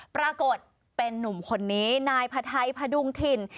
ปรากฏเป็นนุ่มคนนี้นายพระไทยพดุงถิ่น